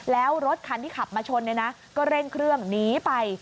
แล้วรถคันที่ขับมาชนก็เร่งเครื่องหนีไป